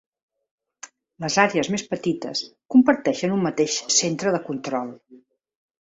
Les àrees més petites comparteixen un mateix Centre de Control.